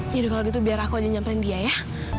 yaudah kalau gitu biar aku aja nyamperin dia ya